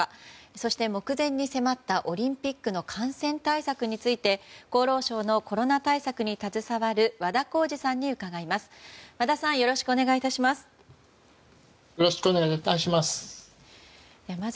そして目前に迫ったオリンピックの感染対策について厚労省のコロナ対策に携わる和田耕治さんに伺います。